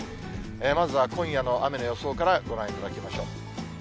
まずは今夜の雨の予想からご覧いただきましょう。